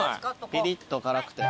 ピリッと辛くて。